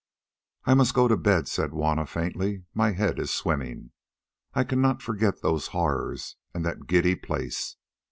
"I must go to bed," said Juanna faintly; "my head is swimming. I cannot forget those horrors and that giddy place.